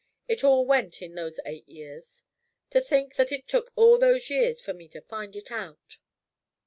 It all went in those eight years. To think that it took all those years for me to find it out."